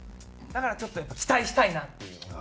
だからちょっとやっぱ期待したいなっていうのが。